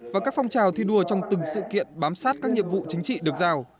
và các phong trào thi đua trong từng sự kiện bám sát các nhiệm vụ chính trị được giao